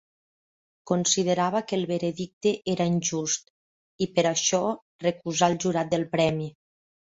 Considerava que el veredicte era injust i per això recusà el jurat del premi.